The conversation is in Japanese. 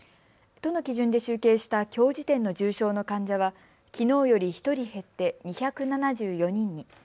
都の基準で集計したきょう時点の重症の患者はきのうより１人減って２７４人に。